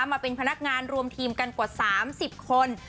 มาเป็นพนักงานรวมทีมกันกว่า๓๐คน